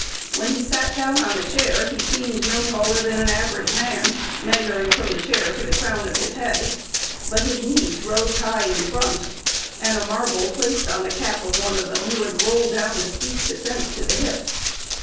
When he sat down on a chair, he seemed no taller than an average man, measuring from the chair to the crown of his head; but his knees rose high in front, and a marble placed on the cap of one of them would roll down a steep descent to the hip.